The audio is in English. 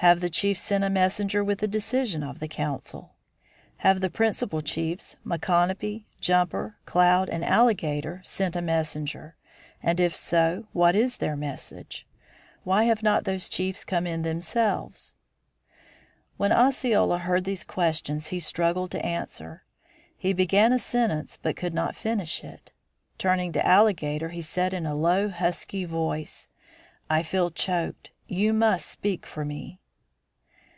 Have the chiefs sent a messenger with the decision of the council? Have the principal chiefs, Micanopy, Jumper, Cloud, and Alligator, sent a messenger, and if so, what is their message? Why have not those chiefs come in themselves?" When Osceola heard these questions he struggled to answer. He began a sentence but could not finish it. Turning to Alligator he said in a low husky voice: "I feel choked. You must speak for me."